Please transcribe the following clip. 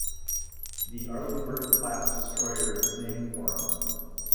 The Arleigh Burke class destroyer is named for him.